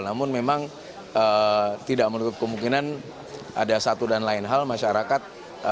namun memang tidak menutup kemungkinan ada satu dan lain hal masyarakat